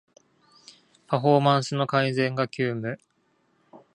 パフォーマンスの改善が急務